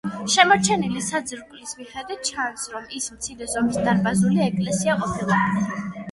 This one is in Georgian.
შემორჩენილი საძირკვლის მიხედვით ჩანს, რომ ის მცირე ზომის დარბაზული ეკლესია ყოფილა.